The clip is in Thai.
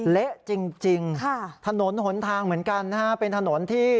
เละจริงค่ะถนนหนทางเหมือนกันนะฮะเป็นถนนที่